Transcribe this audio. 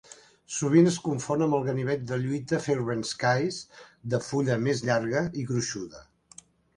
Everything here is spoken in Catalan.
Sovint es confon amb el ganivet de lluita Fairbairn-Sykes de fulla més llarga i gruixuda.